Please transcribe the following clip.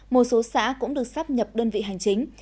một số xã cũng được sắp nhập đơn vị hành chính